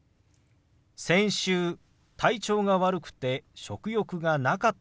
先週体調が悪くて食欲がなかったの。